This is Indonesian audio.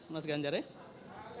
mas ganjar ya